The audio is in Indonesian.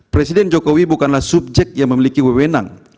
presiden jokowi bukanlah subjek yang memiliki wewenang